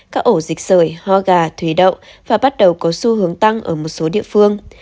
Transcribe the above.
các ổ dịch sởi ho gà thủy đậu và bắt đầu có xu hướng tăng ở một số địa phương